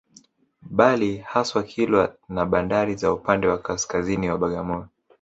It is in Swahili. Bali hasa Kilwa na bandari za upande wa kaskaziini wa Bagamoyo